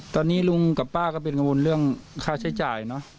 ตอนนี้ลุงกับป้าก็เป็นกังวลเรื่องค่าใช้จ่ายเนอะ